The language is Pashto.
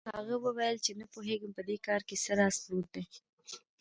هغه وویل چې نه پوهېږي په دې کار کې څه راز پروت دی.